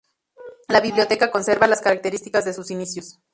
La Biblioteca conserva las características de sus inicios.